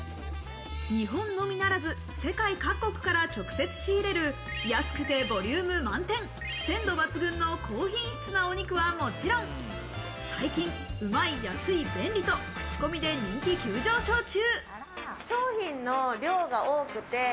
日本のみならず、世界各国から直接仕入れる安くてボリューム満点、鮮度抜群の高品質なお肉はもちろん、最近、うまい、安い、便利と口コミで人気急上昇中。